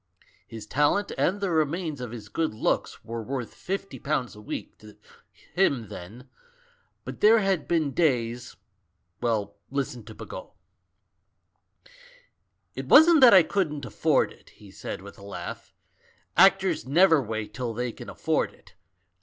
His talent and the remains of his good looks were worth fifty pounds a week to him then, but there had been days — well, listen to Bagot! "It wasn't that I couldn't afford it," he said with a laugh; "actors never wait till they can afford it.